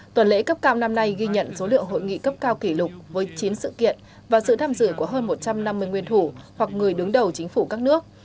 tuần lễ cấp cao năm nay ghi nhận số lượng hội nghị cấp cao kỷ lục với chín sự kiện và sự tham dự của hơn một trăm năm mươi nguyên thủ hoặc người đứng đầu chính phủ các nước